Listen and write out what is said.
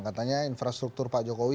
katanya infrastruktur pak jokowi